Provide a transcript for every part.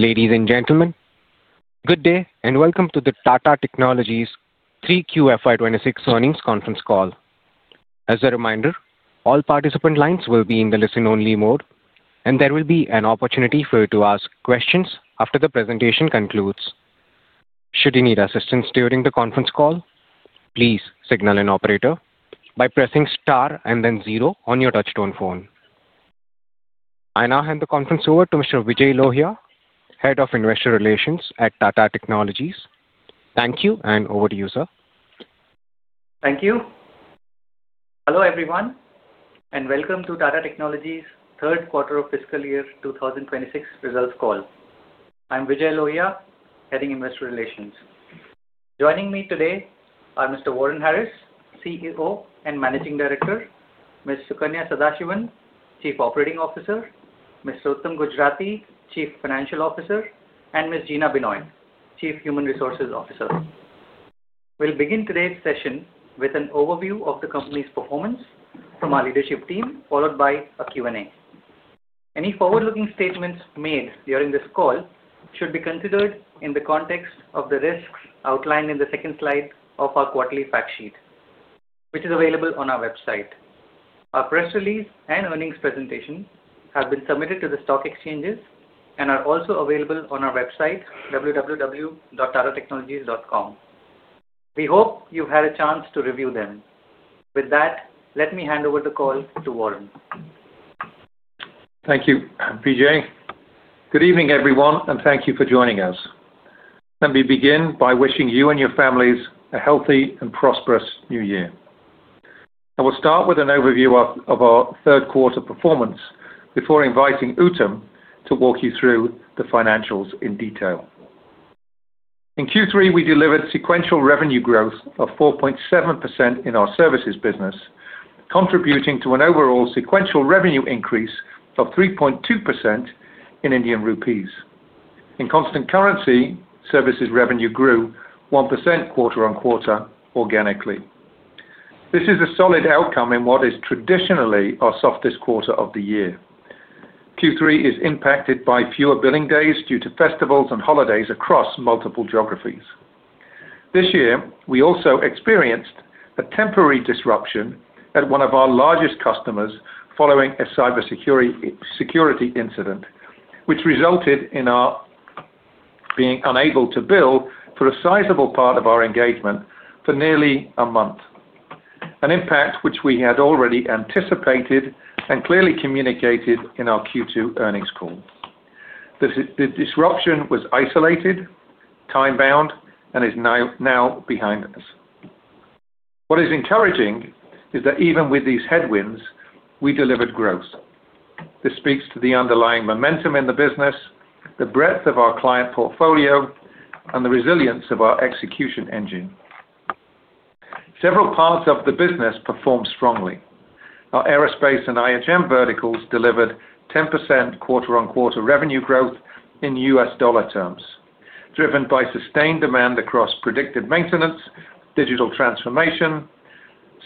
Ladies and gentlemen, good day and welcome to the Tata Technologies 3Q FY 2026 earnings conference call. As a reminder, all participant lines will be in the listen-only mode, and there will be an opportunity for you to ask questions after the presentation concludes. Should you need assistance during the conference call, please signal an operator by pressing star and then zero on your touch-tone phone. I now hand the conference over to Mr. Vijay Lohia, Head of Investor Relations at Tata Technologies. Thank you, and over to you, sir. Thank you. Hello, everyone, and welcome to Tata Technologies' third quarter of fiscal year 2026 results call. I'm Vijay Lohia, head of Investor Relations. Joining me today are Mr. Warren Harris, CEO and Managing Director; Ms. Sukanya Sadasivan, Chief Operating Officer; Mr. Uttam Gujrati, Chief Financial Officer; and Ms. Geena Binoy, Chief Human Resources Officer. We'll begin today's session with an overview of the company's performance from our leadership team, followed by a Q&A. Any forward-looking statements made during this call should be considered in the context of the risks outlined in the second slide of our quarterly fact sheet, which is available on our website. Our press release and earnings presentation have been submitted to the stock exchanges and are also available on our website, www.tata-technologies.com. We hope you've had a chance to review them. With that, let me hand over the call to Warren. Thank you, Vijay. Good evening, everyone, and thank you for joining us. Let me begin by wishing you and your families a healthy and prosperous new year. I will start with an overview of our third quarter performance before inviting Uttam to walk you through the financials in detail. In Q3, we delivered sequential revenue growth of 4.7% in our services business, contributing to an overall sequential revenue increase of 3.2% in Indian rupees. In constant currency, services revenue grew 1% quarter on quarter organically. This is a solid outcome in what is traditionally our softest quarter of the year. Q3 is impacted by fewer billing days due to festivals and holidays across multiple geographies. This year, we also experienced a temporary disruption at one of our largest customers following a cybersecurity incident, which resulted in our being unable to bill for a sizable part of our engagement for nearly a month, an impact which we had already anticipated and clearly communicated in our Q2 earnings call. The disruption was isolated, time-bound, and is now behind us. What is encouraging is that even with these headwinds, we delivered growth. This speaks to the underlying momentum in the business, the breadth of our client portfolio, and the resilience of our execution engine. Several parts of the business performed strongly. Our aerospace and IHM verticals delivered 10% quarter-on-quarter revenue growth in US dollar terms, driven by sustained demand across predictive maintenance, digital transformation,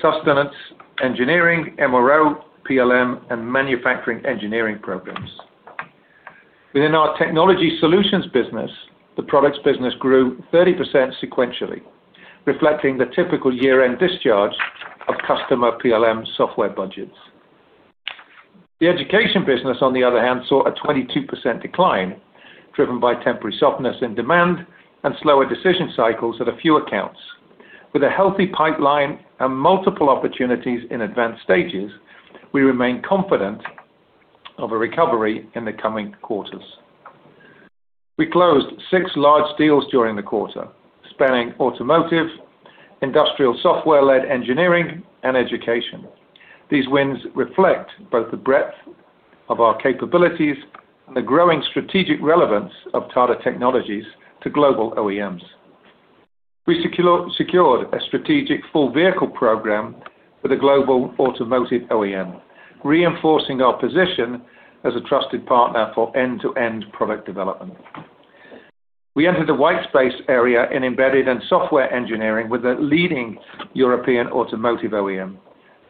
sustenance engineering, MRO, PLM, and manufacturing engineering programs. Within our technology solutions business, the products business grew 30% sequentially, reflecting the typical year-end discharge of customer PLM software budgets. The education business, on the other hand, saw a 22% decline, driven by temporary softness in demand and slower decision cycles at a few accounts. With a healthy pipeline and multiple opportunities in advanced stages, we remain confident of a recovery in the coming quarters. We closed six large deals during the quarter, spanning automotive, industrial software-led engineering, and education. These wins reflect both the breadth of our capabilities and the growing strategic relevance of Tata Technologies to global OEMs. We secured a strategic full vehicle program for the global automotive OEM, reinforcing our position as a trusted partner for end-to-end product development. We entered the white space area in embedded and software engineering with a leading European automotive OEM,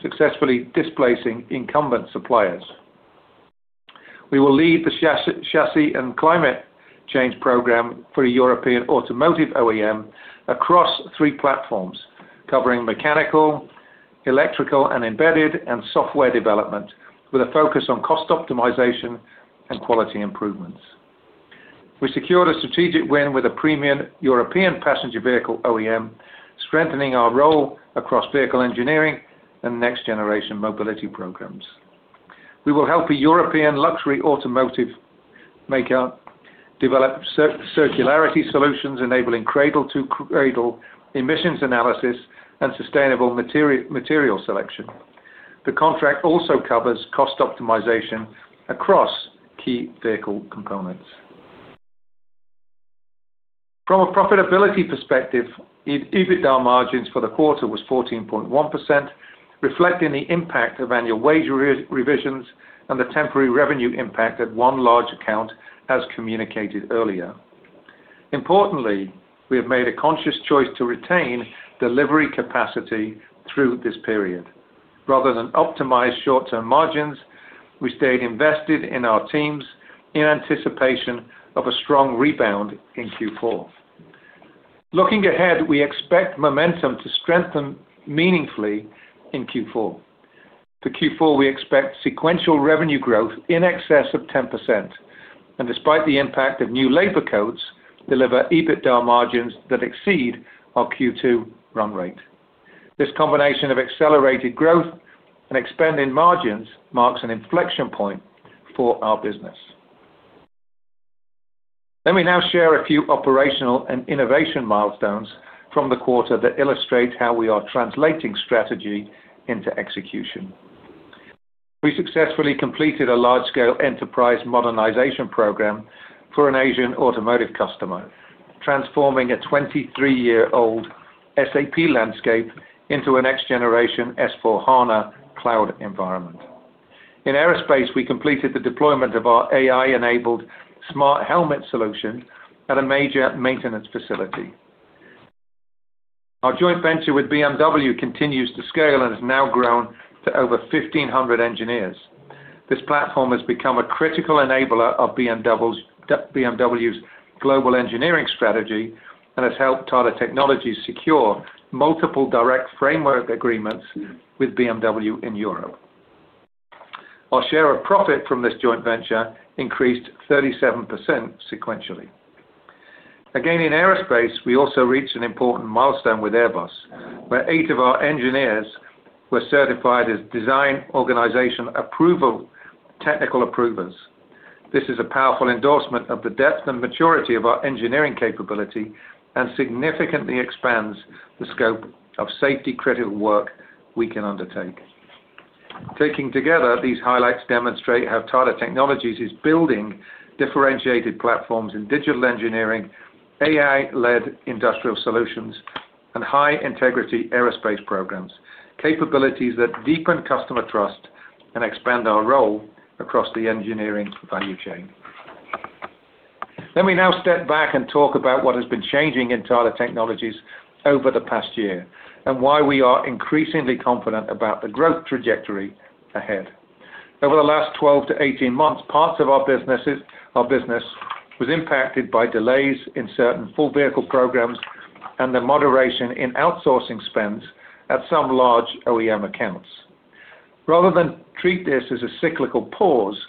successfully displacing incumbent suppliers. We will lead the chassis and climate change program for a European automotive OEM across three platforms, covering mechanical, electrical, and embedded, and software development, with a focus on cost optimization and quality improvements. We secured a strategic win with a premium European passenger vehicle OEM, strengthening our role across vehicle engineering and next-generation mobility programs. We will help a European luxury automotive maker develop circularity solutions, enabling cradle-to-cradle emissions analysis and sustainable material selection. The contract also covers cost optimization across key vehicle components. From a profitability perspective, EBITDA margins for the quarter was 14.1%, reflecting the impact of annual wage revisions and the temporary revenue impact at one large account, as communicated earlier. Importantly, we have made a conscious choice to retain delivery capacity through this period. Rather than optimize short-term margins, we stayed invested in our teams in anticipation of a strong rebound in Q4. Looking ahead, we expect momentum to strengthen meaningfully in Q4. For Q4, we expect sequential revenue growth in excess of 10%, and despite the impact of new labor codes, deliver EBITDA margins that exceed our Q2 run rate. This combination of accelerated growth and expanding margins marks an inflection point for our business. Let me now share a few operational and innovation milestones from the quarter that illustrate how we are translating strategy into execution. We successfully completed a large-scale enterprise modernization program for an Asian automotive customer, transforming a 23-year-old SAP landscape into a next-generation S/4HANA cloud environment. In aerospace, we completed the deployment of our AI-enabled smart helmet solution at a major maintenance facility. Our joint venture with BMW continues to scale and has now grown to over 1,500 engineers. This platform has become a critical enabler of BMW's global engineering strategy and has helped Tata Technologies secure multiple direct framework agreements with BMW in Europe. Our share of profit from this joint venture increased 37% sequentially. Again, in aerospace, we also reached an important milestone with Airbus, where eight of our engineers were certified as design organization technical approvers. This is a powerful endorsement of the depth and maturity of our engineering capability and significantly expands the scope of safety-critical work we can undertake. Taking together, these highlights demonstrate how Tata Technologies is building differentiated platforms in digital engineering, AI-led industrial solutions, and high-integrity aerospace programs, capabilities that deepen customer trust and expand our role across the engineering value chain. Let me now step back and talk about what has been changing in Tata Technologies over the past year and why we are increasingly confident about the growth trajectory ahead. Over the last 12-18 months, parts of our business was impacted by delays in certain full vehicle programs and the moderation in outsourcing spends at some large OEM accounts. Rather than treat this as a cyclical pause,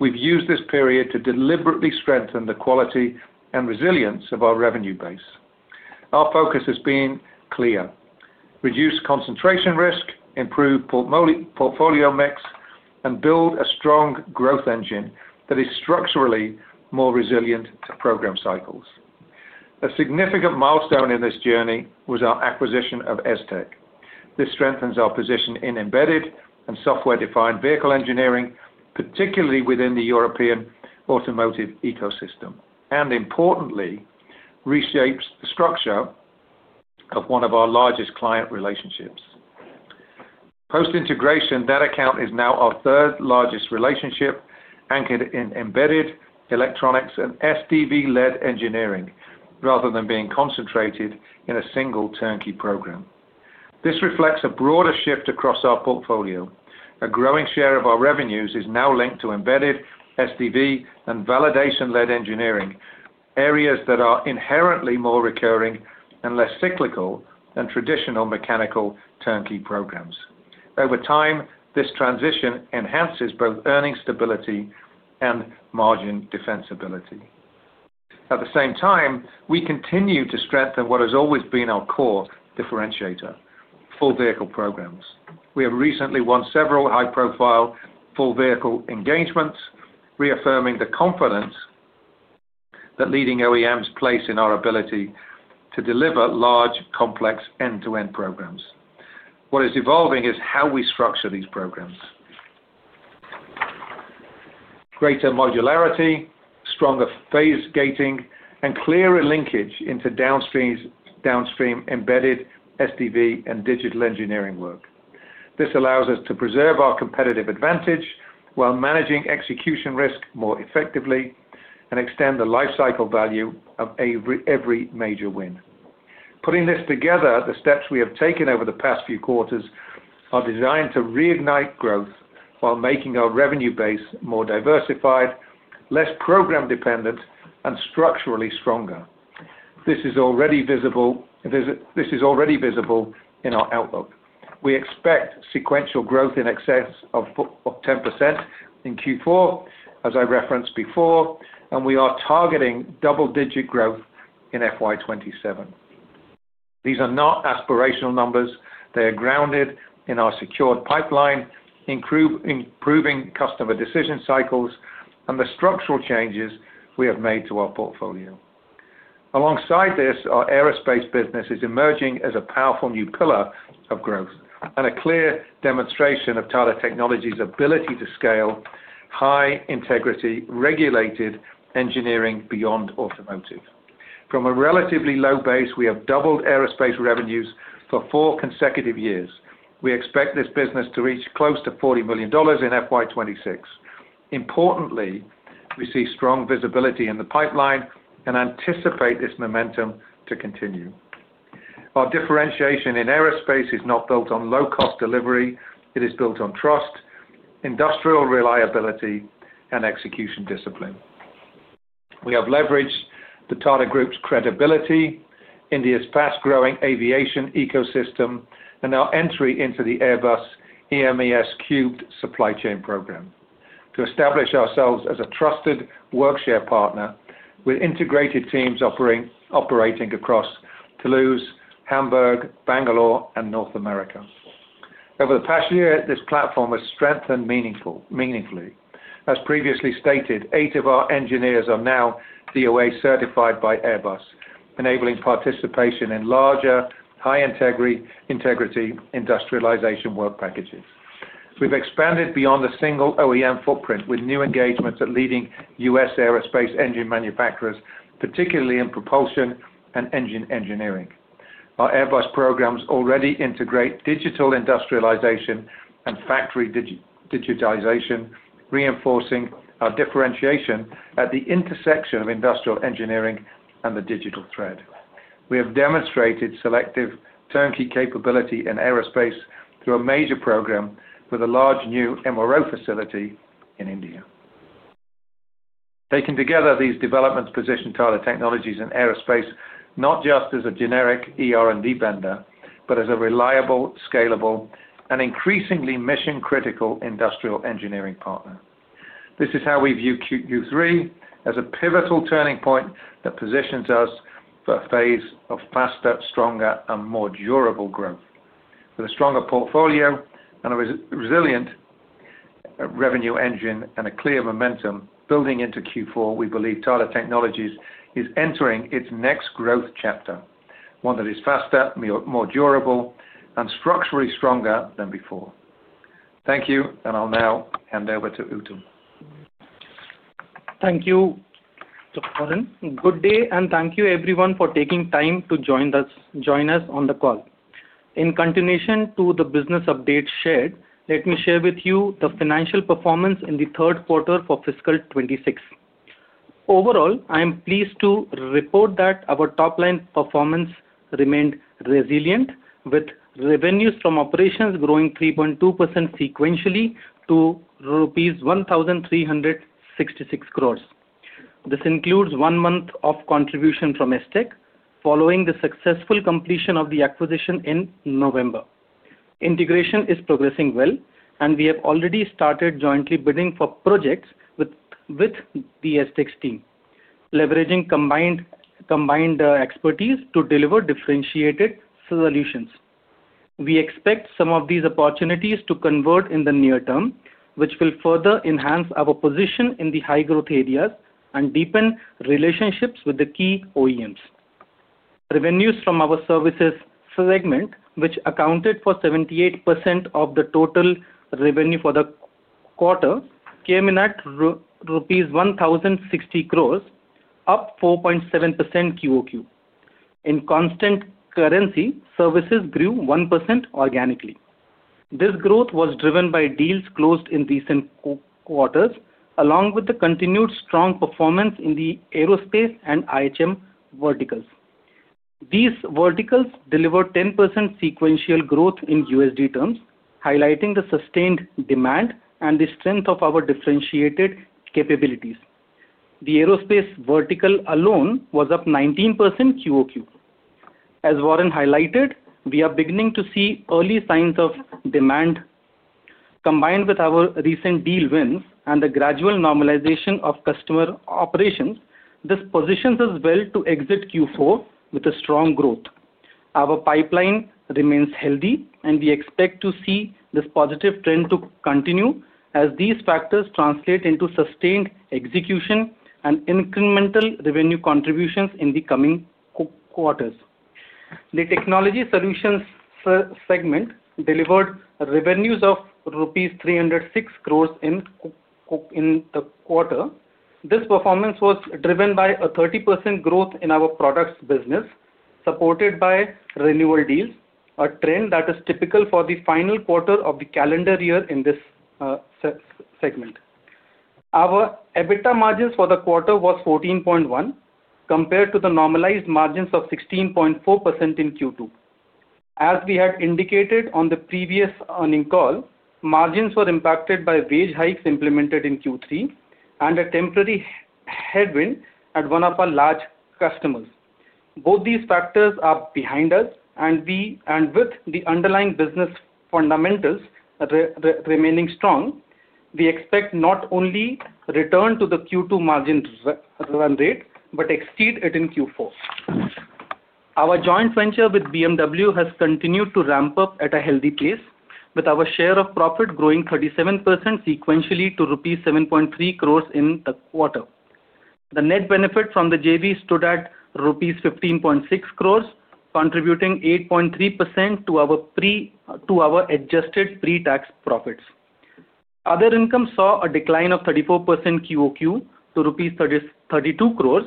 we've used this period to deliberately strengthen the quality and resilience of our revenue base. Our focus has been clear: reduce concentration risk, improve portfolio mix, and build a strong growth engine that is structurally more resilient to program cycles. A significant milestone in this journey was our acquisition of ES-Tec. This strengthens our position in embedded and software-defined vehicle engineering, particularly within the European automotive ecosystem, and importantly, reshapes the structure of one of our largest client relationships. Post-integration, that account is now our third-largest relationship, anchored in embedded electronics and SDV-led engineering, rather than being concentrated in a single turnkey program. This reflects a broader shift across our portfolio. A growing share of our revenues is now linked to embedded, SDV, and validation-led engineering, areas that are inherently more recurring and less cyclical than traditional mechanical turnkey programs. Over time, this transition enhances both earnings stability and margin defensibility. At the same time, we continue to strengthen what has always been our core differentiator: full vehicle programs. We have recently won several high-profile full vehicle engagements, reaffirming the confidence that leading OEMs place in our ability to deliver large, complex end-to-end programs. What is evolving is how we structure these programs: greater modularity, stronger phase gating, and clearer linkage into downstream embedded SDV and digital engineering work. This allows us to preserve our competitive advantage while managing execution risk more effectively and extend the lifecycle value of every major win. Putting this together, the steps we have taken over the past few quarters are designed to reignite growth while making our revenue base more diversified, less program-dependent, and structurally stronger. This is already visible in our outlook. We expect sequential growth in excess of 10% in Q4, as I referenced before, and we are targeting double-digit growth in FY 2027. These are not aspirational numbers. They are grounded in our secured pipeline, improving customer decision cycles, and the structural changes we have made to our portfolio. Alongside this, our aerospace business is emerging as a powerful new pillar of growth and a clear demonstration of Tata Technologies' ability to scale high-integrity regulated engineering beyond automotive. From a relatively low base, we have doubled aerospace revenues for four consecutive years. We expect this business to reach close to $40 million in FY 2026. Importantly, we see strong visibility in the pipeline and anticipate this momentum to continue. Our differentiation in aerospace is not built on low-cost delivery. It is built on trust, industrial reliability, and execution discipline. We have leveraged the Tata Group's credibility, India's fast-growing aviation ecosystem, and our entry into the Airbus EMES3 supply chain program to establish ourselves as a trusted work-share partner with integrated teams operating across Toulouse, Hamburg, Bangalore, and North America. Over the past year, this platform has strengthened meaningfully. As previously stated, eight of our engineers are now DOA certified by Airbus, enabling participation in larger, high-integrity industrialization work packages. We've expanded beyond a single OEM footprint with new engagements at leading U.S. aerospace engine manufacturers, particularly in propulsion and engine engineering. Our Airbus programs already integrate digital industrialization and factory digitization, reinforcing our differentiation at the intersection of industrial engineering and the digital thread. We have demonstrated selective turnkey capability in aerospace through a major program for the large new MRO facility in India. Taking together these developments positions Tata Technologies in aerospace not just as a generic ER&D vendor, but as a reliable, scalable, and increasingly mission-critical industrial engineering partner. This is how we view Q3 as a pivotal turning point that positions us for a phase of faster, stronger, and more durable growth. With a stronger portfolio and a resilient revenue engine and a clear momentum building into Q4, we believe Tata Technologies is entering its next growth chapter, one that is faster, more durable, and structurally stronger than before. Thank you, and I'll now hand over to Uttam. Thank you, Dr. Warren. Good day, and thank you, everyone, for taking time to join us on the call. In continuation to the business updates shared, let me share with you the financial performance in the third quarter for fiscal 2026. Overall, I am pleased to report that our top-line performance remained resilient, with revenues from operations growing 3.2% sequentially to rupees 1,366 crores. This includes one month of contribution from ES-Tec, following the successful completion of the acquisition in November. Integration is progressing well, and we have already started jointly bidding for projects with the ES-Tec's team, leveraging combined expertise to deliver differentiated solutions. We expect some of these opportunities to convert in the near term, which will further enhance our position in the high-growth areas and deepen relationships with the key OEMs. Revenues from our services segment, which accounted for 78% of the total revenue for the quarter, came in at rupees 1,060 crores, up 4.7% QoQ. In constant currency, services grew 1% organically. This growth was driven by deals closed in recent quarters, along with the continued strong performance in the aerospace and IHM verticals. These verticals delivered 10% sequential growth in USD terms, highlighting the sustained demand and the strength of our differentiated capabilities. The aerospace vertical alone was up 19% QoQ. As Warren highlighted, we are beginning to see early signs of demand. Combined with our recent deal wins and the gradual normalization of customer operations, this positions us well to exit Q4 with strong growth. Our pipeline remains healthy, and we expect to see this positive trend continue as these factors translate into sustained execution and incremental revenue contributions in the coming quarters. The technology solutions segment delivered revenues of rupees 306 crores in the quarter. This performance was driven by a 30% growth in our products business, supported by renewal deals, a trend that is typical for the final quarter of the calendar year in this segment. Our EBITDA margins for the quarter were 14.1%, compared to the normalized margins of 16.4% in Q2. As we had indicated on the previous earnings call, margins were impacted by wage hikes implemented in Q3 and a temporary headwind at one of our large customers. Both these factors are behind us, and with the underlying business fundamentals remaining strong, we expect not only to return to the Q2 margin run rate but exceed it in Q4. Our joint venture with BMW has continued to ramp up at a healthy pace, with our share of profit growing 37% sequentially to rupees 7.3 crores in the quarter. The net benefit from the JV stood at rupees 15.6 crores, contributing 8.3% to our adjusted pre-tax profits. Other income saw a decline of 34% QoQ to rupees 32 crores,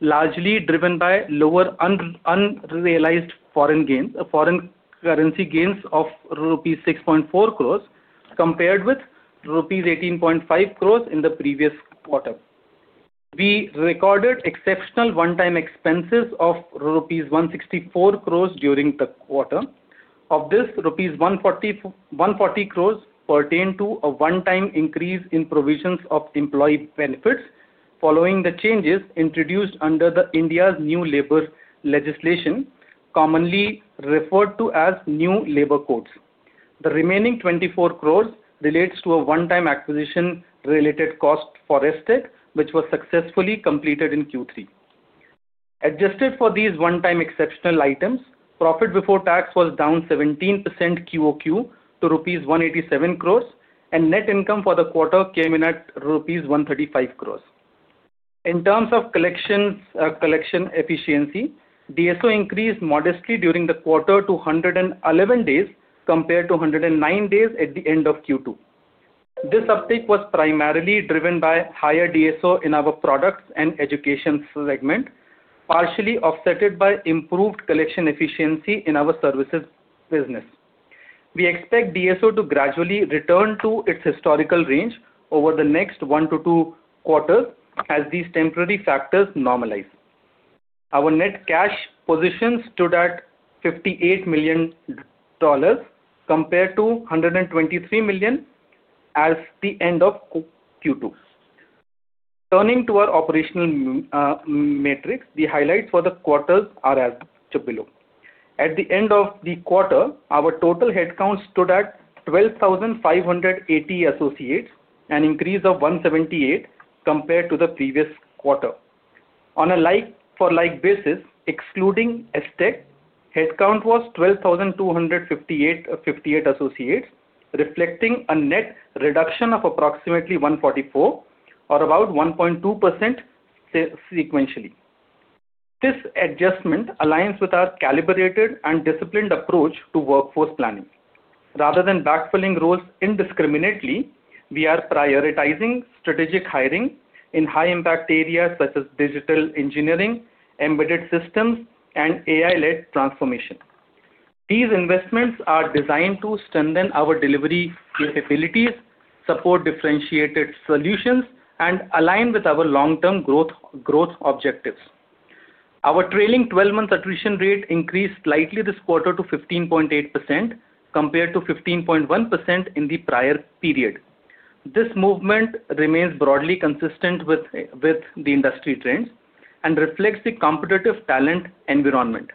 largely driven by lower unrealized foreign currency gains of rupees 6.4 crores compared with rupees 18.5 crores in the previous quarter. We recorded exceptional one-time expenses of rupees 164 crores during the quarter. Of this, rupees 140 crores pertained to a one-time increase in provisions of employee benefits following the changes introduced under India's new labor legislation, commonly referred to as new labor codes. The remaining 24 crores relates to a one-time acquisition-related cost for ES-Tec, which was successfully completed in Q3. Adjusted for these one-time exceptional items, profit before tax was down 17% QoQ to rupees 187 crores, and net income for the quarter came in at rupees 135 crores. In terms of collection efficiency, DSO increased modestly during the quarter to 111 days compared to 109 days at the end of Q2. This uptake was primarily driven by higher DSO in our products and education segment, partially offset by improved collection efficiency in our services business. We expect DSO to gradually return to its historical range over the next one to two quarters as these temporary factors normalize. Our net cash position stood at $58 million compared to $123 million at the end of Q2. Turning to our operational metrics, the highlights for the quarters are as below. At the end of the quarter, our total headcount stood at 12,580 associates, an increase of 178 compared to the previous quarter. On a like-for-like basis, excluding ES-Tec, headcount was 12,258 associates, reflecting a net reduction of approximately 144, or about 1.2% sequentially. This adjustment aligns with our calibrated and disciplined approach to workforce planning. Rather than backfilling roles indiscriminately, we are prioritizing strategic hiring in high-impact areas such as digital engineering, embedded systems, and AI-led transformation. These investments are designed to strengthen our delivery capabilities, support differentiated solutions, and align with our long-term growth objectives. Our trailing 12-month attrition rate increased slightly this quarter to 15.8% compared to 15.1% in the prior period. This movement remains broadly consistent with the industry trends and reflects the competitive talent environment.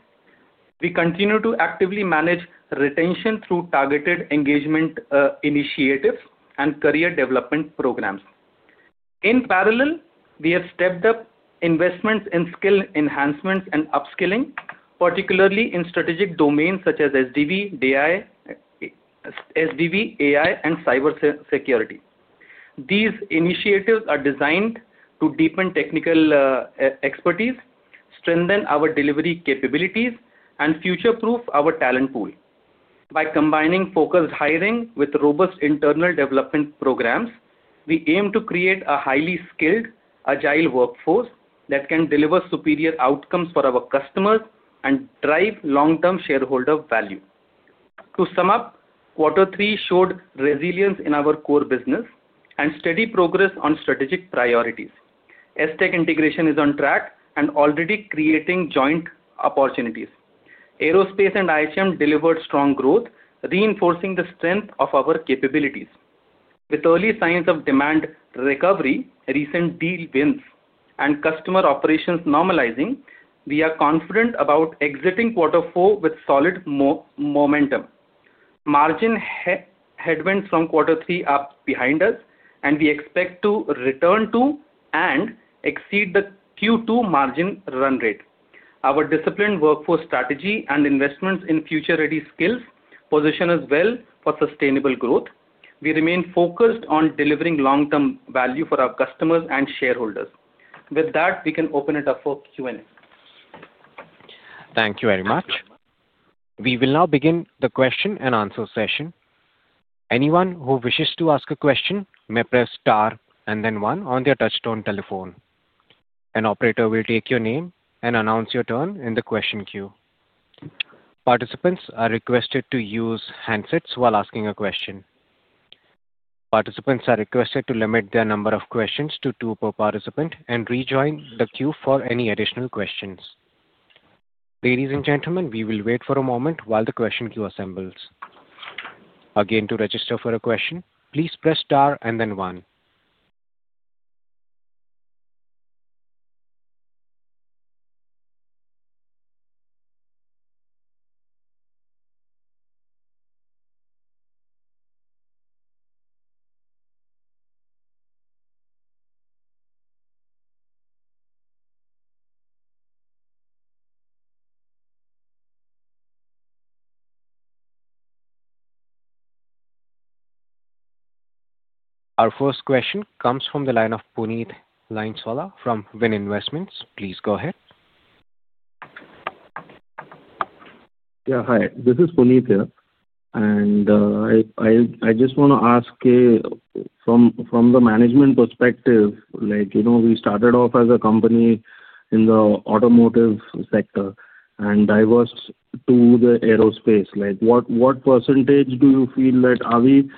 We continue to actively manage retention through targeted engagement initiatives and career development programs. In parallel, we have stepped up investments in skill enhancements and upskilling, particularly in strategic domains such as SDV, AI, and cybersecurity. These initiatives are designed to deepen technical expertise, strengthen our delivery capabilities, and future-proof our talent pool. By combining focused hiring with robust internal development programs, we aim to create a highly skilled, agile workforce that can deliver superior outcomes for our customers and drive long-term shareholder value. To sum up, Q3 showed resilience in our core business and steady progress on strategic priorities. ES-Tec integration is on track and already creating joint opportunities. Aerospace and IHM delivered strong growth, reinforcing the strength of our capabilities. With early signs of demand recovery, recent deal wins, and customer operations normalizing, we are confident about exiting Q4 with solid momentum. Margin headwinds from Q3 are behind us, and we expect to return to and exceed the Q2 margin run rate. Our disciplined workforce strategy and investments in future-ready skills position us well for sustainable growth. We remain focused on delivering long-term value for our customers and shareholders. With that, we can open it up for Q&A. Thank you very much. We will now begin the question and answer session. Anyone who wishes to ask a question may press star and then one on their touch-tone telephone. An operator will take your name and announce your turn in the question queue. Participants are requested to use handsets while asking a question. Participants are requested to limit their number of questions to two per participant and rejoin the queue for any additional questions. Ladies and gentlemen, we will wait for a moment while the question queue assembles. Again, to register for a question, please press star and then one. Our first question comes from the line of Puneeth Linswala from Win Investments. Please go ahead. Yeah, hi. This is Puneeth here. I just want to ask from the management perspective. We started off as a company in the automotive sector and diverged to the aerospace. What percentage do you feel that are we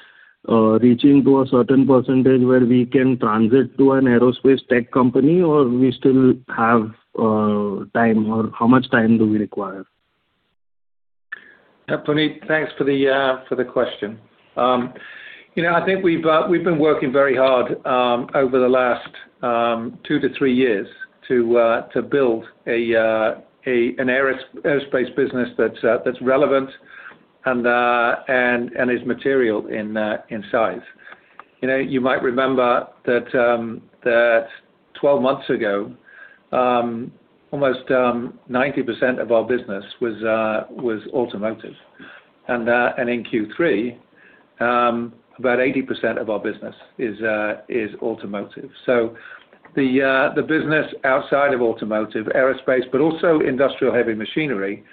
reaching to a certain percentage where we can transit to an aerospace tech company, or we still have time, or how much time do we require? Yeah, Puneeth, thanks for the question. I think we've been working very hard over the last two to three years to build an aerospace business that's relevant and is material in size. You might remember that 12 months ago, almost 90% of our business was automotive. And in Q3, about 80% of our business is automotive. So the business outside of automotive, aerospace, but also industrial-heavy machinery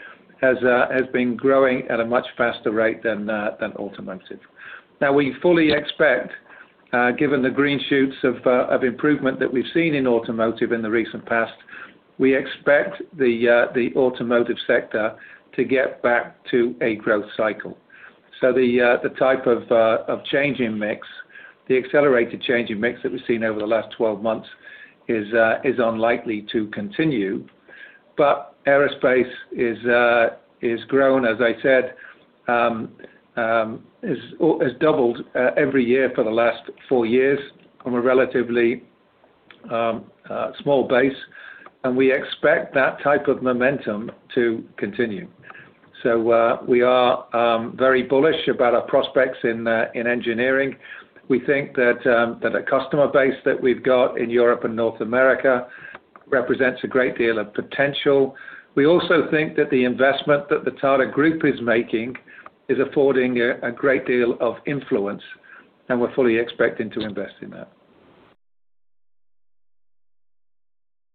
has been growing at a much faster rate than automotive. Now, we fully expect, given the green shoots of improvement that we've seen in automotive in the recent past, we expect the automotive sector to get back to a growth cycle. So the type of changing mix, the accelerated changing mix that we've seen over the last 12 months is unlikely to continue. But aerospace has grown, as I said, has doubled every year for the last four years on a relatively small base. And we expect that type of momentum to continue. So we are very bullish about our prospects in engineering. We think that the customer base that we've got in Europe and North America represents a great deal of potential. We also think that the investment that the Tata Group is making is affording a great deal of influence, and we're fully expecting to invest in that.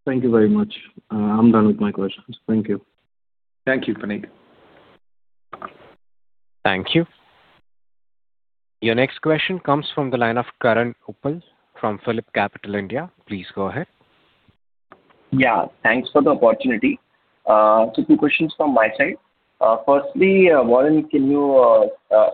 Thank you very much. I'm done with my questions. Thank you. Thank you, Puneeth. Thank you. Your next question comes from the line of Karan Uppal from PhillipCapital India. Please go ahead. Yeah, thanks for the opportunity. Two questions from my side. Firstly, Warren, can you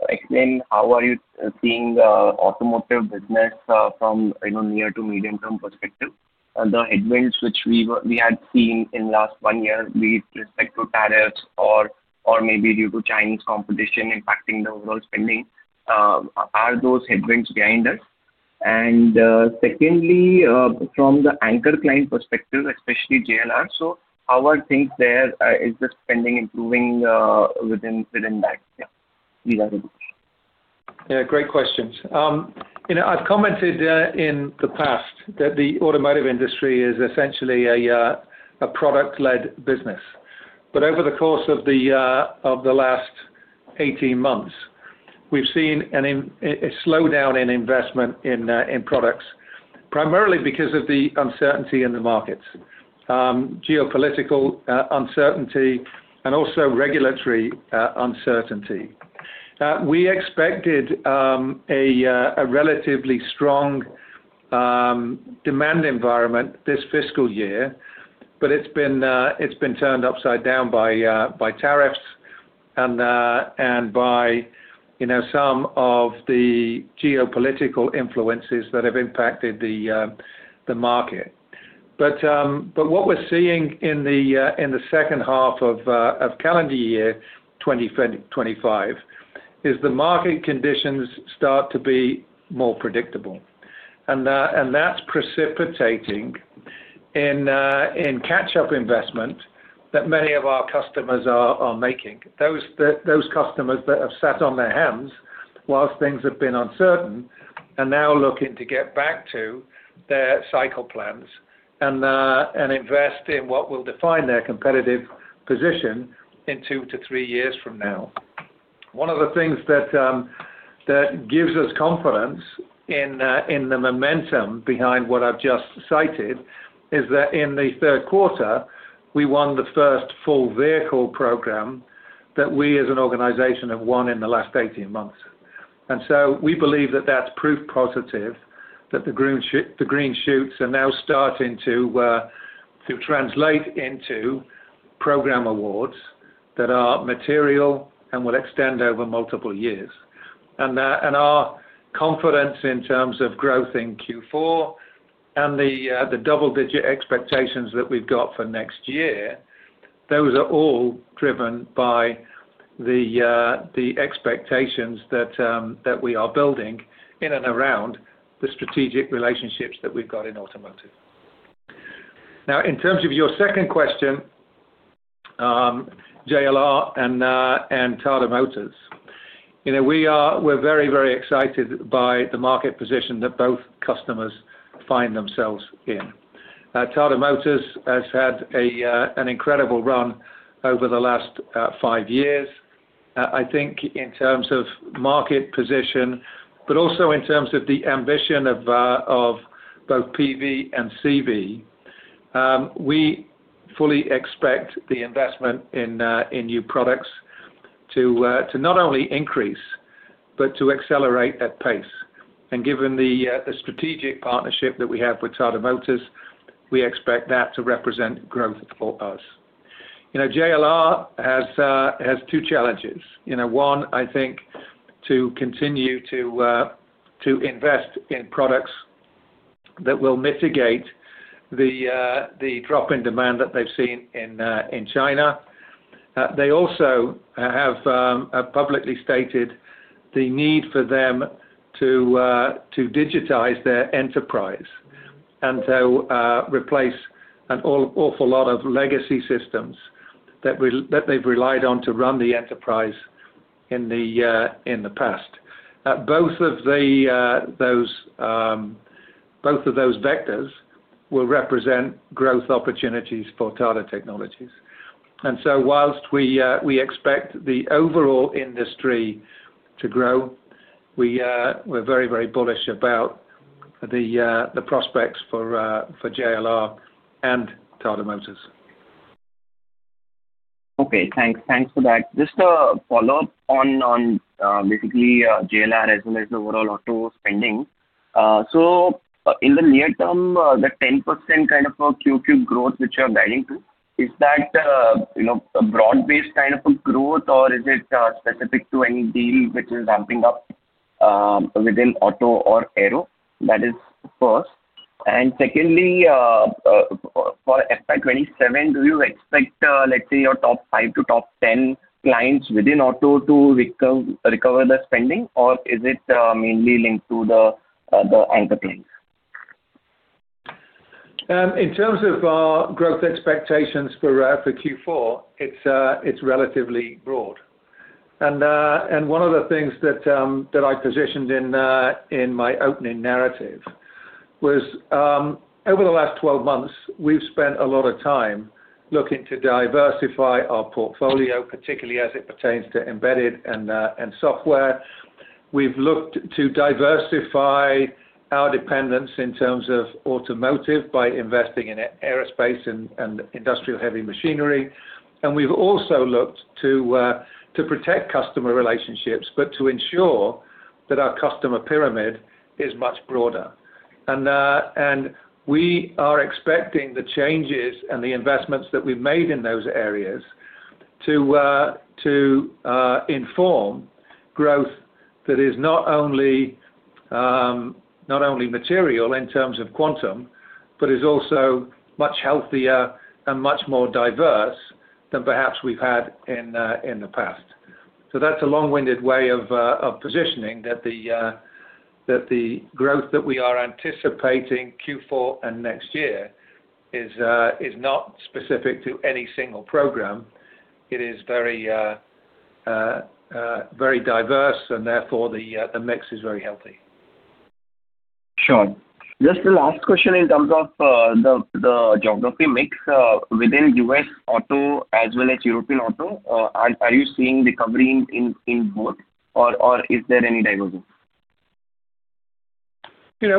explain how are you seeing the automotive business from a near-to-medium-term perspective? The headwinds which we had seen in the last one year with respect to tariffs or maybe due to Chinese competition impacting the overall spending, are those headwinds behind us? And secondly, from the anchor client perspective, especially JLR, so how are things there? Is the spending improving within that? Yeah, these are the questions. Yeah, great questions. I've commented in the past that the automotive industry is essentially a product-led business. But over the course of the last 18 months, we've seen a slowdown in investment in products, primarily because of the uncertainty in the markets, geopolitical uncertainty, and also regulatory uncertainty. We expected a relatively strong demand environment this fiscal year, but it's been turned upside down by tariffs and by some of the geopolitical influences that have impacted the market. But what we're seeing in the second half of calendar year 2025 is the market conditions start to be more predictable. And that's precipitating in catch-up investment that many of our customers are making. Those customers that have sat on their hands whilst things have been uncertain are now looking to get back to their cycle plans and invest in what will define their competitive position in two to three years from now. One of the things that gives us confidence in the momentum behind what I've just cited is that in the third quarter, we won the first full vehicle program that we as an organization have won in the last 18 months. And so we believe that that's proof positive that the green shoots are now starting to translate into program awards that are material and will extend over multiple years. And our confidence in terms of growth in Q4 and the double-digit expectations that we've got for next year, those are all driven by the expectations that we are building in and around the strategic relationships that we've got in automotive. Now, in terms of your second question, JLR and Tata Motors, we're very, very excited by the market position that both customers find themselves in. Tata Motors has had an incredible run over the last five years, I think, in terms of market position, but also in terms of the ambition of both PV and CV. We fully expect the investment in new products to not only increase but to accelerate at pace. And given the strategic partnership that we have with Tata Motors, we expect that to represent growth for us. JLR has two challenges. One, I think, to continue to invest in products that will mitigate the drop in demand that they've seen in China. They also have publicly stated the need for them to digitize their enterprise and to replace an awful lot of legacy systems that they've relied on to run the enterprise in the past. Both of those vectors will represent growth opportunities for Tata Technologies. And so while we expect the overall industry to grow, we're very, very bullish about the prospects for JLR and Tata Motors. Okay, thanks. Thanks for that. Just a follow-up on basically JLR as well as the overall auto spending. So in the near term, the 10% kind of Q2 growth which you're guiding to, is that a broad-based kind of growth, or is it specific to any deal which is ramping up within auto or aero? That is first. And secondly, for FY 2027, do you expect, let's say, your top five to top 10 clients within auto to recover the spending, or is it mainly linked to the anchor clients? In terms of growth expectations for Q4, it's relatively broad. One of the things that I positioned in my opening narrative was over the last 12 months, we've spent a lot of time looking to diversify our portfolio, particularly as it pertains to embedded and software. We've looked to diversify our dependence in terms of automotive by investing in aerospace and industrial heavy machinery. And we've also looked to protect customer relationships but to ensure that our customer pyramid is much broader. And we are expecting the changes and the investments that we've made in those areas to inform growth that is not only material in terms of quantum but is also much healthier and much more diverse than perhaps we've had in the past. So that's a long-winded way of positioning that the growth that we are anticipating Q4 and next year is not specific to any single program. It is very diverse, and therefore, the mix is very healthy. Sure. Just the last question in terms of the geography mix within U.S. auto as well as European auto. Are you seeing recovery in both, or is there any divergence? We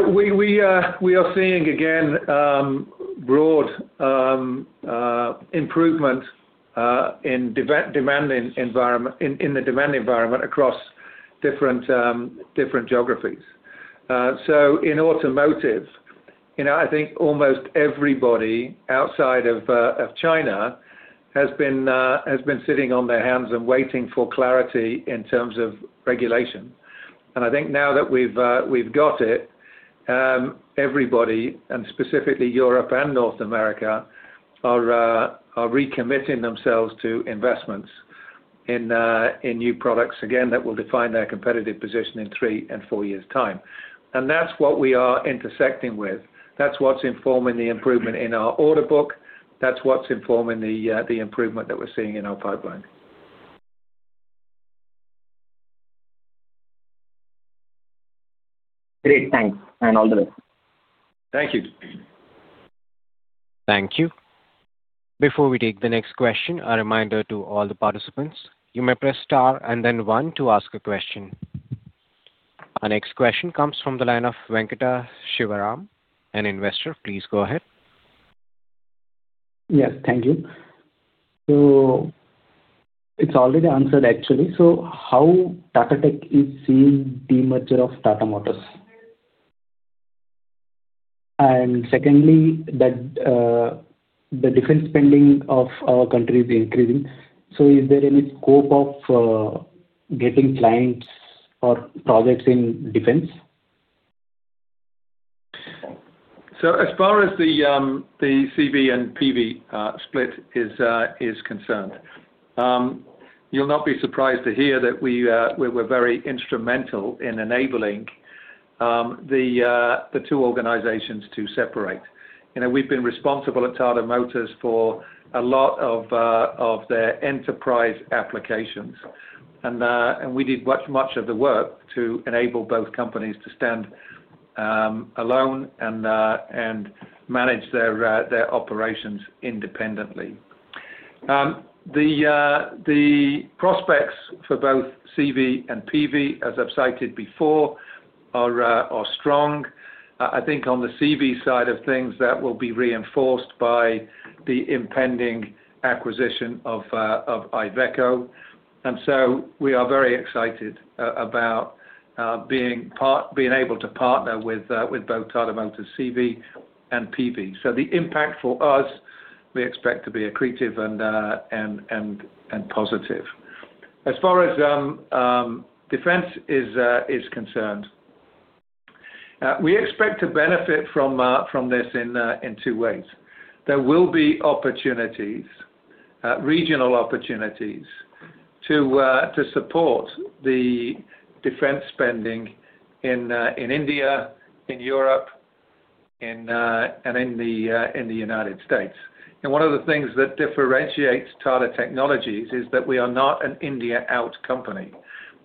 are seeing, again, broad improvement in the demand environment across different geographies. So in automotive, I think almost everybody outside of China has been sitting on their hands and waiting for clarity in terms of regulation. And I think now that we've got it, everybody, and specifically Europe and North America, are recommitting themselves to investments in new products again that will define their competitive position in three and four years' time. And that's what we are intersecting with. That's what's informing the improvement in our order book. That's what's informing the improvement that we're seeing in our pipeline. Great. Thanks. And all the best. Thank you. Thank you. Before we take the next question, a reminder to all the participants. You may press star and then one to ask a question. Our next question comes from the line of Venkata Sivaram, an investor. Please go ahead. Yes, thank you. So it's already answered, actually. So how Tata Tech is seeing the merger of Tata Motors? And secondly, that the defense spending of our country is increasing. So is there any scope of getting clients or projects in defense? So as far as the CV and PV split is concerned, you'll not be surprised to hear that we were very instrumental in enabling the two organizations to separate. We've been responsible at Tata Motors for a lot of their enterprise applications. And we did much of the work to enable both companies to stand alone and manage their operations independently. The prospects for both CV and PV, as I've cited before, are strong. I think on the CV side of things, that will be reinforced by the impending acquisition of Iveco, and so we are very excited about being able to partner with both Tata Motors' CV and PV, so the impact for us, we expect to be accretive and positive. As far as defense is concerned, we expect to benefit from this in two ways. There will be opportunities, regional opportunities to support the defense spending in India, in Europe, and in the United States, and one of the things that differentiates Tata Technologies is that we are not an India-out company.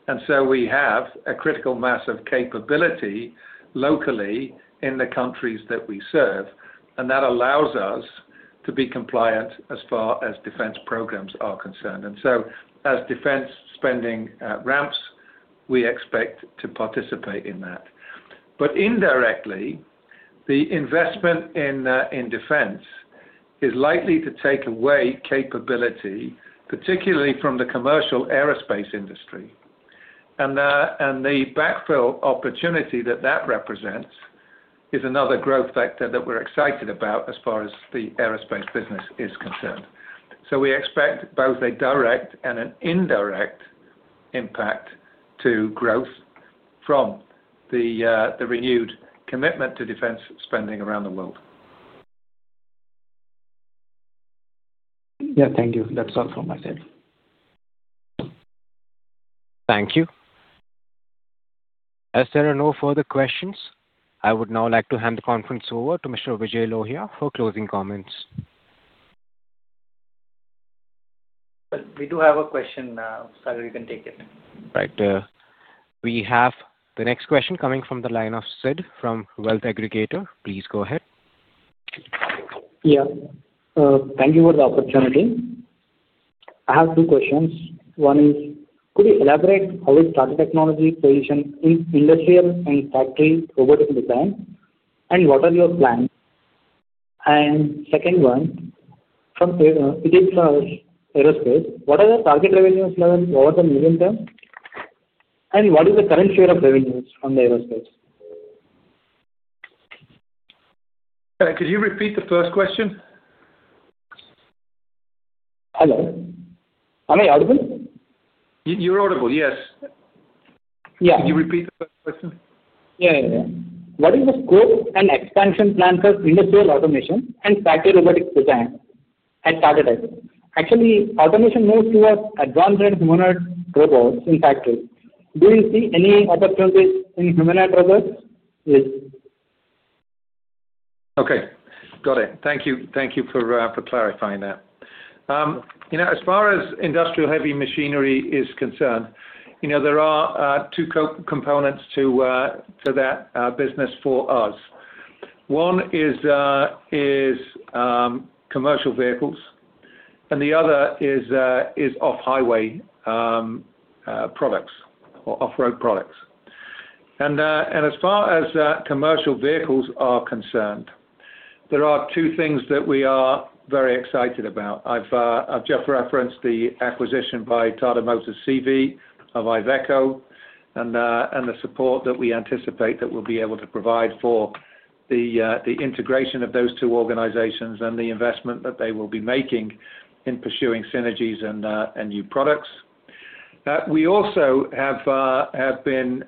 And so we have a critical mass of capability locally in the countries that we serve, and that allows us to be compliant as far as defense programs are concerned. And so as defense spending ramps, we expect to participate in that. But indirectly, the investment in defense is likely to take away capability, particularly from the commercial aerospace industry. And the backfill opportunity that that represents is another growth factor that we're excited about as far as the aerospace business is concerned. So we expect both a direct and an indirect impact to growth from the renewed commitment to defense spending around the world. Yeah, thank you. That's all from my side. Thank you. As there are no further questions, I would now like to hand the conference over to Mr. Vijay Lohia for closing comments. But we do have a question. Sorry, you can take it. Right. We have the next question coming from the line of Sid from Wealth Aggregator. Please go ahead. Yeah. Thank you for the opportunity. I have two questions. One is, could you elaborate how is Tata Technologies positioned in industrial and factory robotic design, and what are your plans? And second one, from aerospace, what are the target revenues levels over the medium term? And what is the current share of revenues on the aerospace? Could you repeat the first question? Hello? Am I audible? You're audible, yes. Could you repeat the first question? Yeah, yeah, yeah. What is the scope and expansion plan for industrial automation and factory robotic design at Tata Tech? Actually, automation moves towards advanced-end humanoid robots in factories. Do you see any opportunities in humanoid robots? Okay. Got it. Thank you for clarifying that. As far as industrial-heavy machinery is concerned, there are two components to that business for us. One is commercial vehicles, and the other is off-highway products or off-road products. And as far as commercial vehicles are concerned, there are two things that we are very excited about. I've just referenced the acquisition by Tata Motors' CV of Iveco and the support that we anticipate that we'll be able to provide for the integration of those two organizations and the investment that they will be making in pursuing synergies and new products. We also have been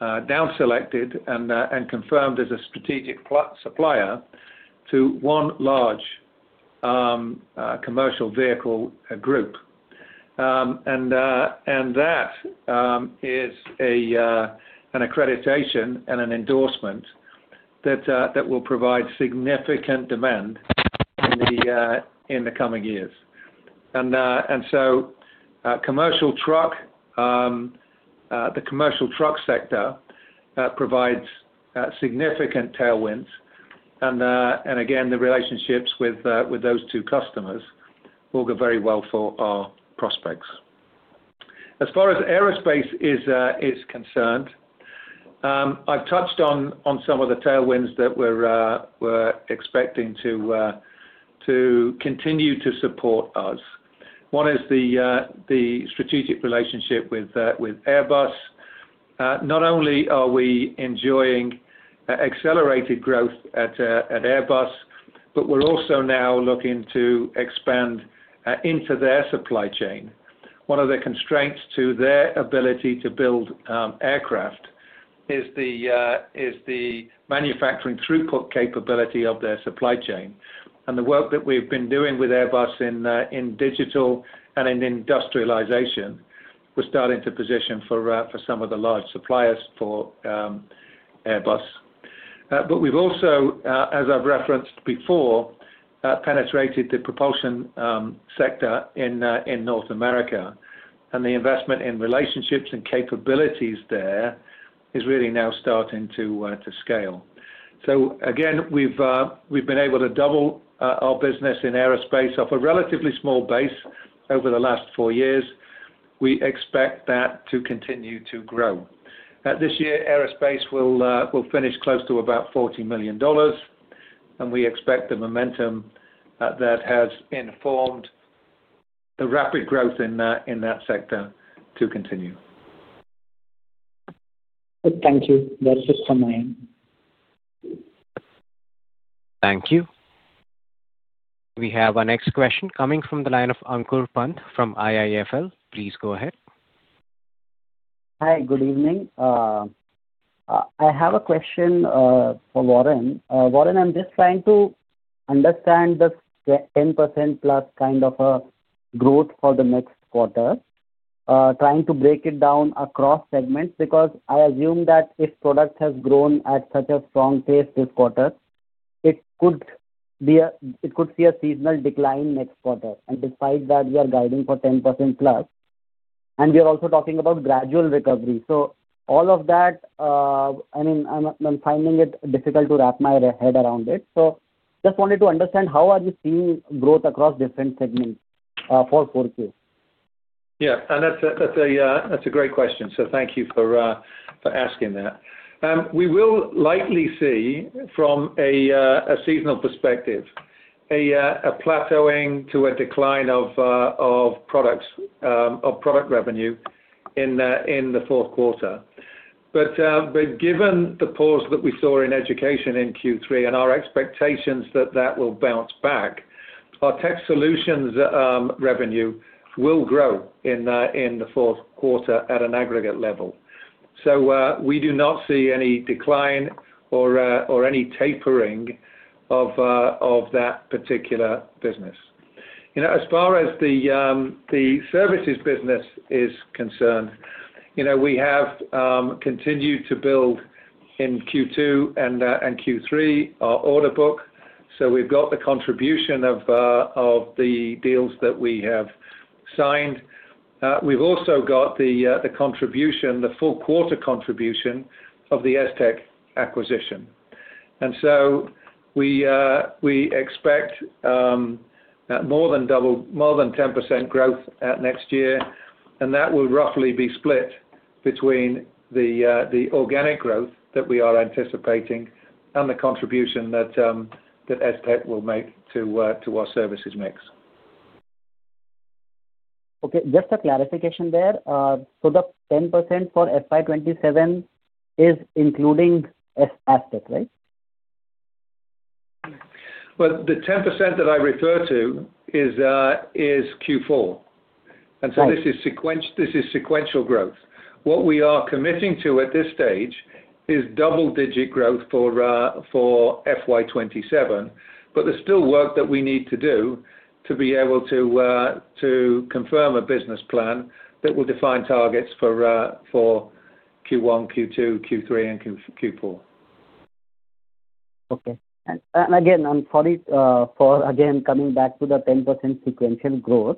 downselected and confirmed as a strategic supplier to one large commercial vehicle group. And that is an accreditation and an endorsement that will provide significant demand in the coming years. And so commercial truck, the commercial truck sector provides significant tailwinds. And again, the relationships with those two customers will go very well for our prospects. As far as aerospace is concerned, I've touched on some of the tailwinds that we're expecting to continue to support us. One is the strategic relationship with Airbus. Not only are we enjoying accelerated growth at Airbus, but we're also now looking to expand into their supply chain. One of the constraints to their ability to build aircraft is the manufacturing throughput capability of their supply chain, and the work that we've been doing with Airbus in digital and in industrialization was starting to position for some of the large suppliers for Airbus. But we've also, as I've referenced before, penetrated the propulsion sector in North America, and the investment in relationships and capabilities there is really now starting to scale, so again, we've been able to double our business in aerospace off a relatively small base over the last four years. We expect that to continue to grow. This year, aerospace will finish close to about $40 million, and we expect the momentum that has informed the rapid growth in that sector to continue. Thank you. That's just from my end. Thank you. We have our next question coming from the line of Ankur Pant from IIFL. Please go ahead. Hi. Good evening. I have a question for Warren. Warren, I'm just trying to understand the 10% plus kind of growth for the next quarter, trying to break it down across segments because I assume that if product has grown at such a strong pace this quarter, it could see a seasonal decline next quarter. And despite that, we are guiding for 10% plus. And we are also talking about gradual recovery. So all of that, I mean, I'm finding it difficult to wrap my head around it. So just wanted to understand how are you seeing growth across different segments for 4Q? Yeah. And that's a great question. So thank you for asking that. We will likely see, from a seasonal perspective, a plateauing to a decline of product revenue in the fourth quarter, but given the pause that we saw in education in Q3 and our expectations that that will bounce back, our tech solutions revenue will grow in the fourth quarter at an aggregate level, so we do not see any decline or any tapering of that particular business. As far as the services business is concerned, we have continued to build in Q2 and Q3 our order book, so we've got the contribution of the deals that we have signed, we've also got the contribution, the full quarter contribution of the ES-Tec acquisition, and so we expect more than 10% growth next year, and that will roughly be split between the organic growth that we are anticipating and the contribution that ES-Tec will make to our services mix. Okay. Just a clarification there. So the 10% for FY 2027 is including ES-Tec, right? Well, the 10% that I refer to is Q4. And so this is sequential growth. What we are committing to at this stage is double-digit growth for FY 2027. But there's still work that we need to do to be able to confirm a business plan that will define targets for Q1, Q2, Q3, and Q4. Okay. And again, I'm sorry for, again, coming back to the 10% sequential growth.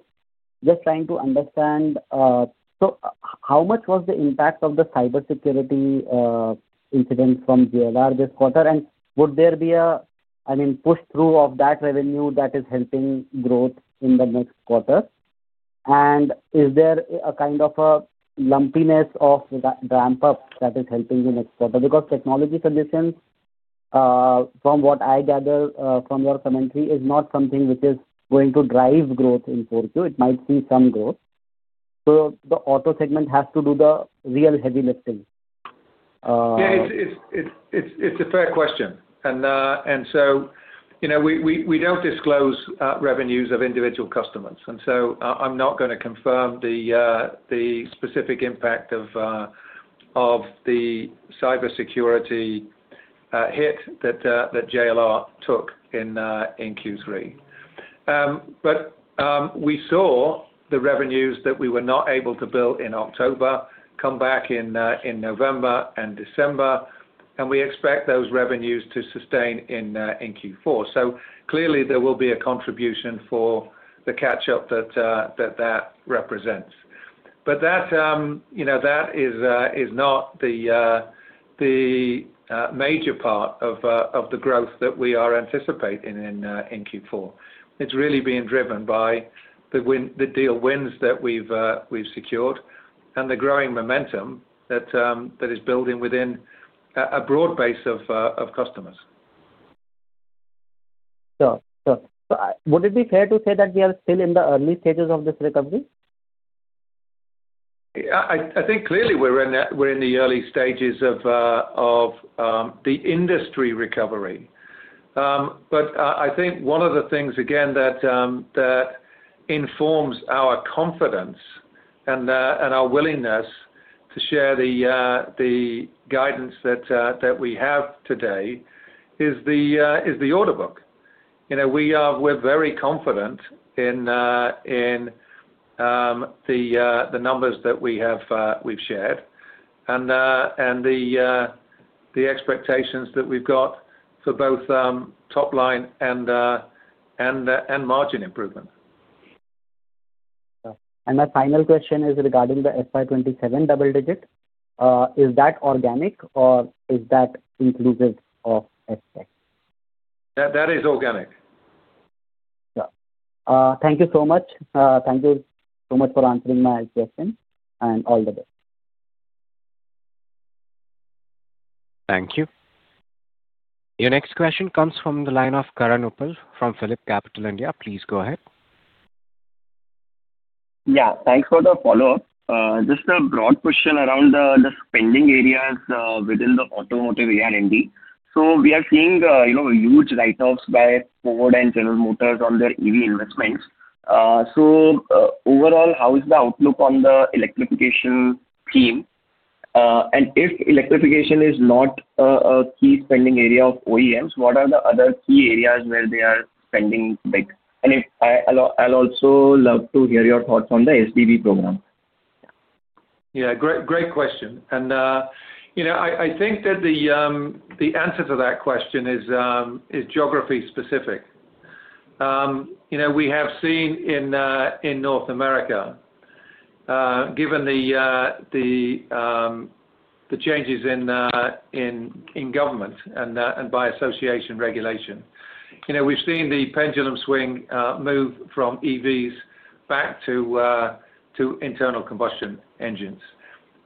Just trying to understand, so how much was the impact of the cybersecurity incident from JLR this quarter? And would there be a, I mean, push through of that revenue that is helping growth in the next quarter? And is there a kind of a lumpiness of ramp-up that is helping the next quarter? Because technology solutions, from what I gather from your commentary, is not something which is going to drive growth in 4Q. It might see some growth. So the auto segment has to do the real heavy lifting. Yeah. It's a fair question. And so we don't disclose revenues of individual customers. And so I'm not going to confirm the specific impact of the cybersecurity hit that JLR took in Q3. But we saw the revenues that we were not able to build in October come back in November and December. And we expect those revenues to sustain in Q4. So clearly, there will be a contribution for the catch-up that that represents. But that is not the major part of the growth that we are anticipating in Q4. It's really being driven by the deal wins that we've secured and the growing momentum that is building within a broad base of customers. Sure. Sure. Would it be fair to say that we are still in the early stages of this recovery? I think clearly we're in the early stages of the industry recovery. But I think one of the things, again, that informs our confidence and our willingness to share the guidance that we have today is the order book. We're very confident in the numbers that we've shared and the expectations that we've got for both top line and margin improvement. And my final question is regarding the FY 2027 double-digit. Is that organic or is it inclusive of ES-Tec? That is organic. Thank you so much. Thank you so much for answering my question and all the best. Thank you. Your next question comes from the line of Karan Uppal from PhillipCapital India. Please go ahead. Yeah. Thanks for the follow-up. Just a broad question around the spending areas within the automotive industry. So we are seeing huge write-offs by Ford and General Motors on their EV investments. So overall, how is the outlook on the electrification scene? And if electrification is not a key spending area of OEMs, what are the other key areas where they are spending big, and I'll also love to hear your thoughts on the SDV program. Yeah. Great question, and I think that the answer to that question is geography-specific. We have seen in North America, given the changes in government and by association regulation, we've seen the pendulum swing move from EVs back to internal combustion engines.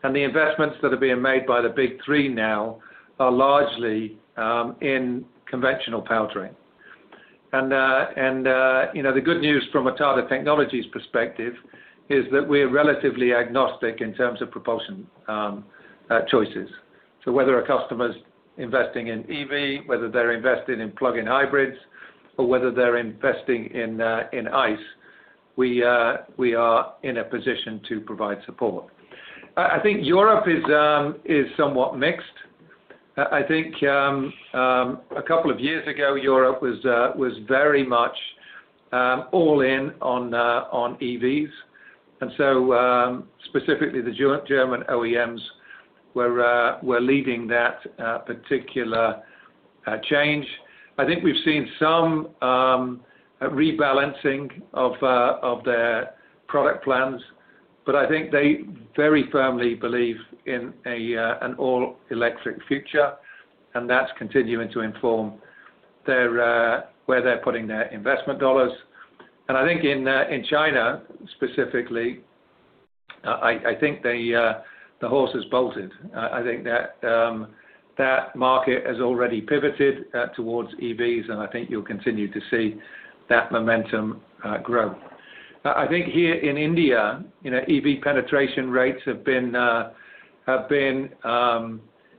And the investments that are being made by the big three now are largely in conventional powertrain. And the good news from a Tata Technologies perspective is that we're relatively agnostic in terms of propulsion choices. So whether a customer's investing in EV, whether they're investing in plug-in hybrids, or whether they're investing in ICE, we are in a position to provide support. I think Europe is somewhat mixed. I think a couple of years ago, Europe was very much all-in on EVs. And so specifically, the German OEMs were leading that particular change. I think we've seen some rebalancing of their product plans. But I think they very firmly believe in an all-electric future. And that's continuing to inform where they're putting their investment dollars. And I think in China, specifically, I think the horse has bolted. I think that market has already pivoted towards EVs. And I think you'll continue to see that momentum grow. I think here in India, EV penetration rates have been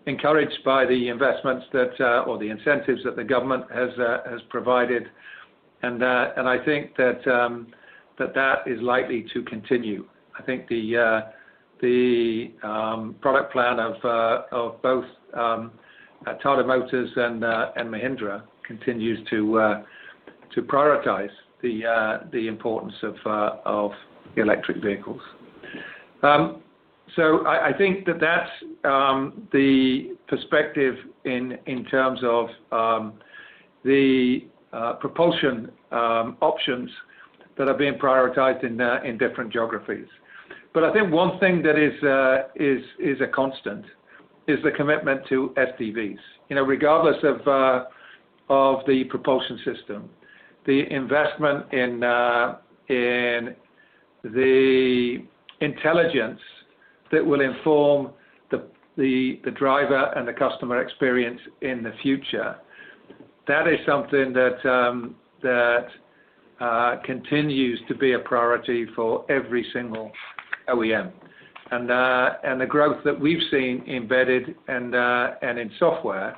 encouraged by the investments or the incentives that the government has provided. And I think that that is likely to continue. I think the product plan of both Tata Motors and Mahindra continues to prioritize the importance of electric vehicles. So I think that that's the perspective in terms of the propulsion options that are being prioritized in different geographies. But I think one thing that is a constant is the commitment to SDVs. Regardless of the propulsion system, the investment in the intelligence that will inform the driver and the customer experience in the future, that is something that continues to be a priority for every single OEM. And the growth that we've seen embedded and in software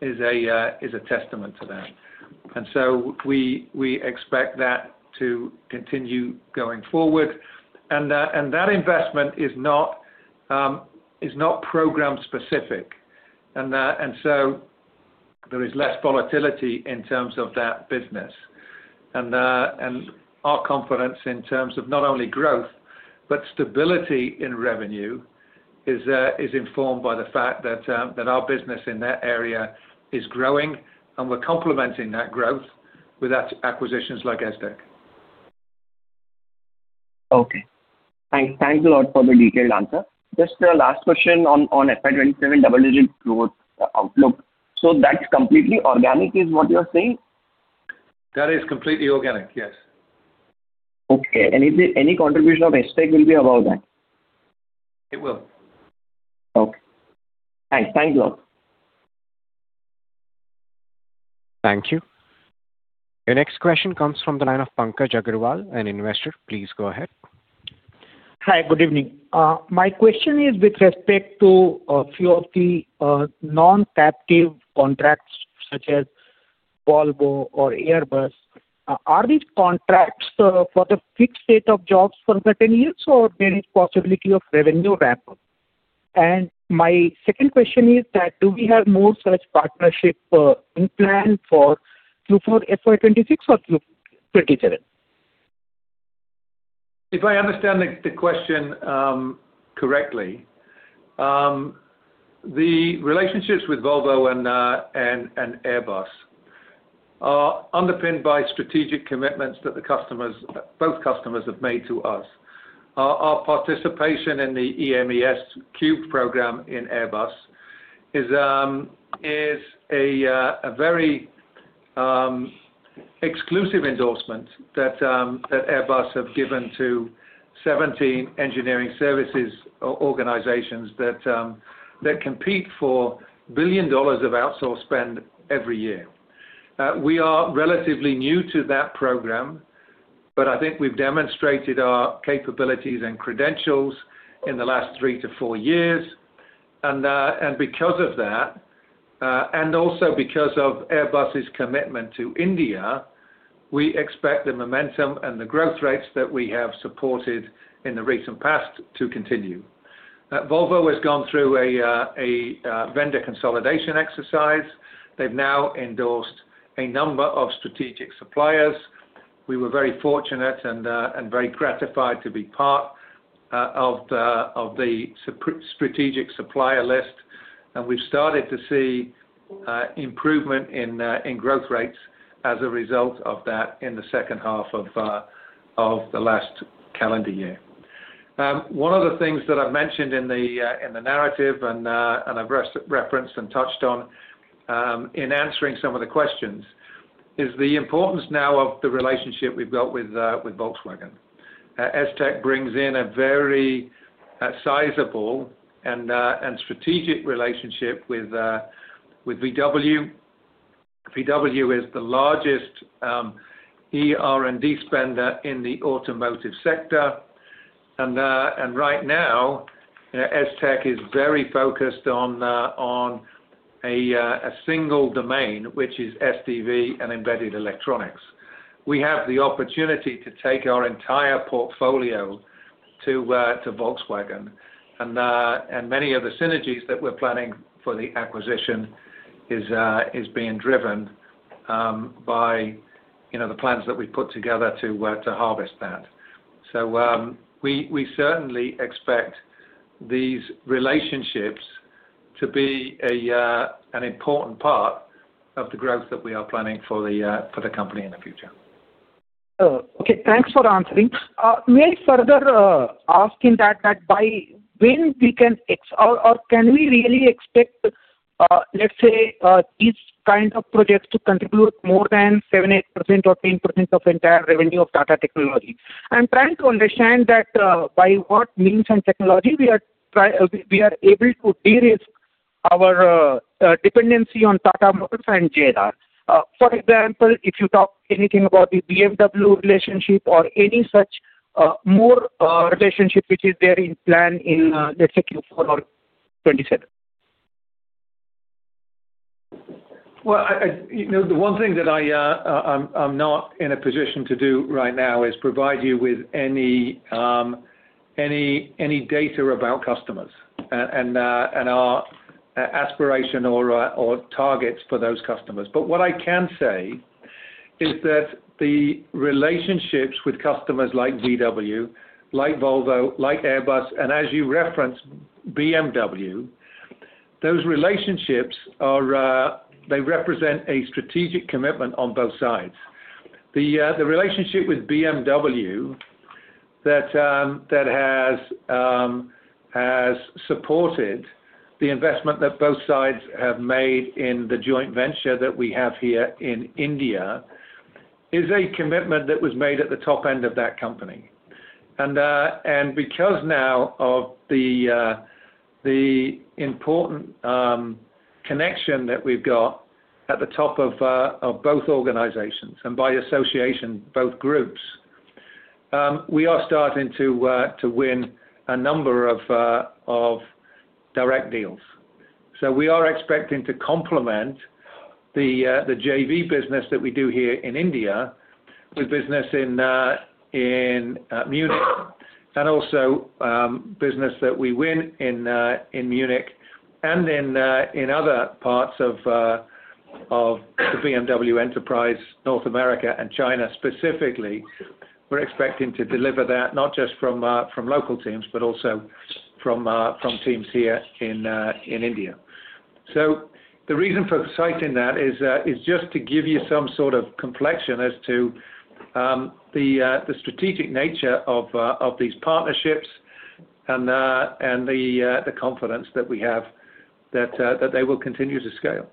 is a testament to that. And so we expect that to continue going forward. And that investment is not program-specific. And so there is less volatility in terms of that business. And our confidence in terms of not only growth, but stability in revenue is informed by the fact that our business in that area is growing. And we're complementing that growth with acquisitions like ES-Tec. Okay. Thanks a lot for the detailed answer. Just a last question on S527 double-digit growth outlook. So that's completely organic is what you're saying? That is completely organic, yes. Okay. And is there any contribution of ES-Tec will be about that? It will. Okay. Thanks. Thanks a lot. Thank you. Your next question comes from the line of Pankaj Agarwal, an investor. Please go ahead. Hi. Good evening. My question is with respect to a few of the non-captive contracts such as Volvo or Airbus. Are these contracts for the fixed slate of jobs for certain years, or is there a possibility of revenue ramp-up? And my second question is, do we have more such partnerships planned for Q4 FY 2026 or FY 2027? If I understand the question correctly, the relationships with Volvo and Airbus are underpinned by strategic commitments that both customers have made to us. Our participation in the EMES3 program in Airbus is a very exclusive endorsement that Airbus has given to 17 engineering services organizations that compete for billion dollars of outsource spend every year. We are relatively new to that program. But I think we've demonstrated our capabilities and credentials in the last three to four years. And because of that, and also because of Airbus's commitment to India, we expect the momentum and the growth rates that we have supported in the recent past to continue. Volvo has gone through a vendor consolidation exercise. They've now endorsed a number of strategic suppliers. We were very fortunate and very gratified to be part of the strategic supplier list, and we've started to see improvement in growth rates as a result of that in the second half of the last calendar year. One of the things that I've mentioned in the narrative and I've referenced and touched on in answering some of the questions is the importance now of the relationship we've got with Volkswagen. ES-Tec brings in a very sizable and strategic relationship with VW. VW is the largest ER&D spender in the automotive sector, and right now, ES-Tec is very focused on a single domain, which is SDV and embedded electronics. We have the opportunity to take our entire portfolio to Volkswagen. And many of the synergies that we're planning for the acquisition are being driven by the plans that we've put together to harvest that. So we certainly expect these relationships to be an important part of the growth that we are planning for the company in the future. Okay. Thanks for answering. May I further ask in that, by when we can or can we really expect, let's say, these kinds of projects to contribute more than 7%, 8% or 10% of entire revenue of Tata Technologies? I'm trying to understand that by what means and technology we are able to de-risk our dependency on Tata Motors and JLR. For example, if you talk anything about the BMW relationship or any such more relationship which is there in plan in, let's say, Q4 or 2027? Well, the one thing that I'm not in a position to do right now is provide you with any data about customers and our aspiration or targets for those customers. But what I can say is that the relationships with customers like VW, like Volvo, like Airbus, and as you referenced BMW, those relationships, they represent a strategic commitment on both sides. The relationship with BMW that has supported the investment that both sides have made in the joint venture that we have here in India is a commitment that was made at the top end of that company. And because now of the important connection that we've got at the top of both organizations and by association, both groups, we are starting to win a number of direct deals. So we are expecting to complement the JV business that we do here in India with business in Munich and also business that we win in Munich and in other parts of the BMW enterprise, North America and China specifically. We're expecting to deliver that not just from local teams, but also from teams here in India. So the reason for citing that is just to give you some sort of context as to the strategic nature of these partnerships and the confidence that we have that they will continue to scale.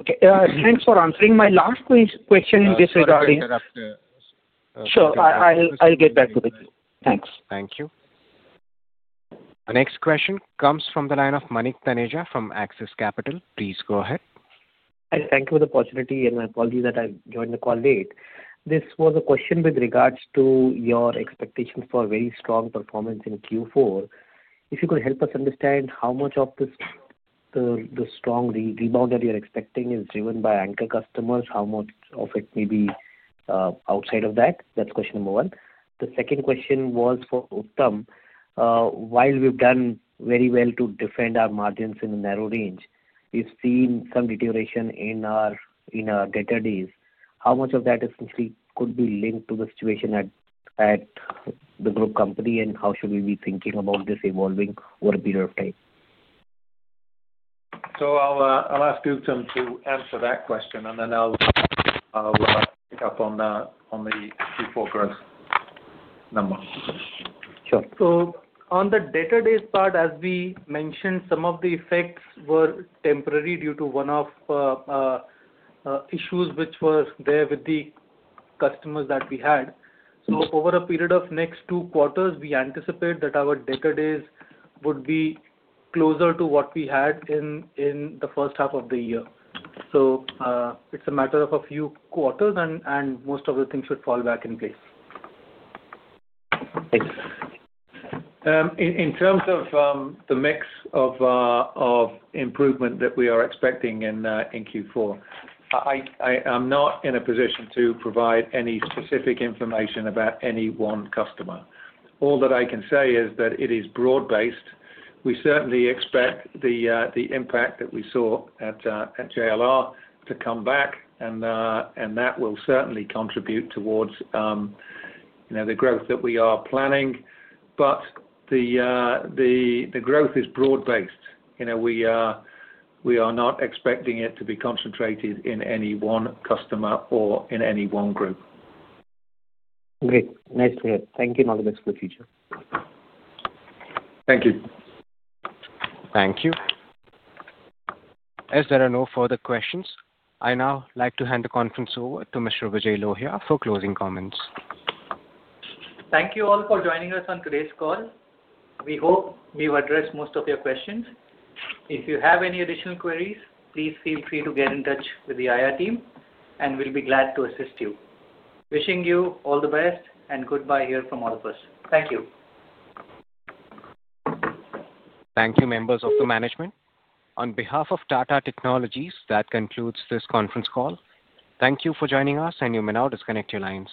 Okay. Thanks for answering. My last question in this regard is sure, I'll get back to it. Thanks. Thank you. Our next question comes from the line of Manik Taneja from Axis Capital. Please go ahead. Thank you for the opportunity and my apology that I joined the call late. This was a question with regards to your expectations for very strong performance in Q4. If you could help us understand how much of the strong rebound that you're expecting is driven by anchor customers, how much of it may be outside of that? That's question number one. The second question was for Uttam. While we've done very well to defend our margins in a narrow range, we've seen some deterioration in our DSO. How much of that essentially could be linked to the situation at the group company and how should we be thinking about this evolving over a period of time? So I'll ask Uttam to answer that question, and then I'll pick up on the Q4 growth number. Sure. So on the debtor days part, as we mentioned, some of the effects were temporary due to one-off issues which were there with the customers that we had. So over a period of next two quarters, we anticipate that our debtor days would be closer to what we had in the first half of the year. So it's a matter of a few quarters, and most of the things should fall back in place. In terms of the mix of improvement that we are expecting in Q4, I'm not in a position to provide any specific information about any one customer. All that I can say is that it is broad-based. We certainly expect the impact that we saw at JLR to come back. And that will certainly contribute towards the growth that we are planning. But the growth is broad-based. We are not expecting it to be concentrated in any one customer or in any one group. Great. Nice to hear. Thank you and all the best for the future. Thank you. Thank you. As there are no further questions, I now like to hand the conference over to Mr. Vijay Lohia for closing comments. Thank you all for joining us on today's call. We hope we've addressed most of your questions. If you have any additional queries, please feel free to get in touch with the IR team, and we'll be glad to assist you. Wishing you all the best and goodbye here from all of us. Thank you. Thank you, members of the management. On behalf of Tata Technologies, that concludes this conference call. Thank you for joining us, and you may now disconnect your lines.